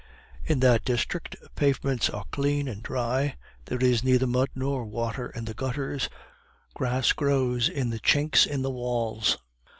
In that district the pavements are clean and dry, there is neither mud nor water in the gutters, grass grows in the chinks of the walls.